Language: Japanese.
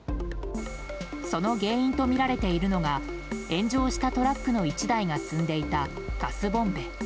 その原因とみられているのが炎上したトラックの１台が積んでいたガスボンベ。